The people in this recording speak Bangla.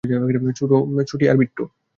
ছোটি আর বিট্টো?